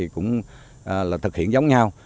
cũng thực hiện giống nhau